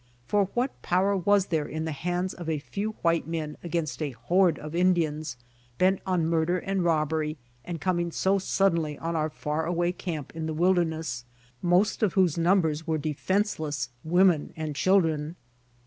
For what power was there in the hands of a few^ white men against a horde of Indians, bent on murder and robbery, and coming so suddenly on our far away camp in the wnl derness, most of whose numbers were defenseless Tvomen and children?